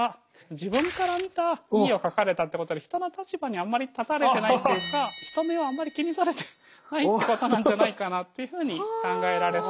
自分から見たＥを書かれたってことで人の立場にあんまり立たれてないっていうか人目をあんまり気にされてないってことなんじゃないかなっていうふうに考えられそうです。